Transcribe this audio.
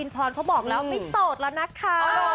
พรเขาบอกแล้วไม่โสดแล้วนะคะ